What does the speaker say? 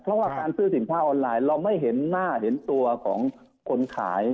เพราะว่าการซื้อสินค้าออนไลน์เราไม่เห็นหน้าเห็นตัวของคนขาย